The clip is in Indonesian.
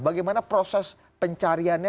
bagaimana proses pencariannya